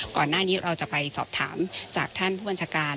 ก่อนหน้านี้เราจะไปสอบถามจากท่านผู้บริษัทการ